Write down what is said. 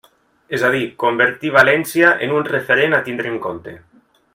És a dir, convertir València en un referent a tindre en compte.